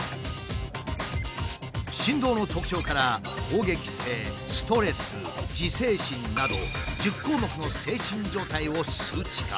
振動の特徴から「攻撃性」「ストレス」「自制心」など１０項目の精神状態を数値化。